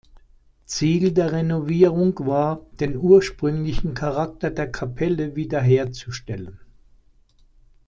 Ziel der Renovierung war, den ursprünglichen Charakter der Kapelle wiederherzustellen.